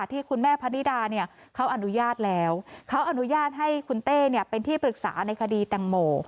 ที่คุณแม่พะนิดาเนี่ยเขาอนุญาตแล้วเขาอนุญาตให้คุณเต้เป็นที่ปรึกษาในคดีแตงโม